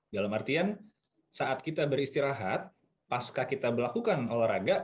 dalam artian saat kita beristirahat pas kita berlakukan olahraga